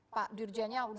pak dirjanya sudah